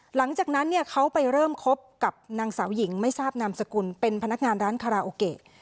หลังจากนั้นเนี่ยเขาไปเริ่มคบกับนางสาวหญิงไม่ทราบนามสกุลเป็นพนักงานร้านคาราโอเกะ